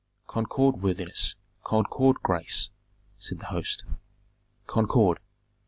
"Concord, worthiness! Concord, grace!" said the host. "Concord!